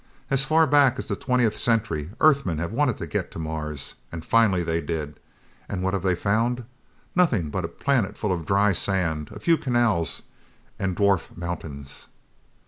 As far back as the twentieth century, Earthmen have wanted to get to Mars. And finally they did. And what have they found? Nothing but a planet full of dry sand, a few canals and dwarf mountains."